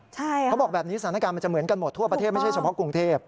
เขาบอกแบบนี้สถานการณ์มันจะเหมือนกันหมดทั่วประเทศไม่ใช่เฉพาะกรุงเทพ